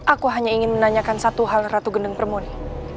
aku hanya ingin menanyakan satu hal ratu gendeng permuni